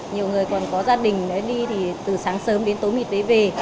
nhiều người còn có gia đình đi thì từ sáng sớm đến tối mịt đấy về